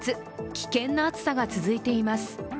危険な暑さが続いています。